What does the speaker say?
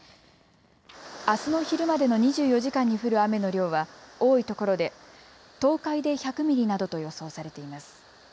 あすの昼までの２４時間に降る雨の量は多いところで東海で１００ミリなどと予想されています。